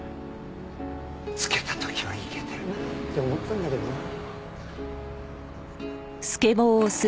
付けた時はイケてるなって思ったんだけどな。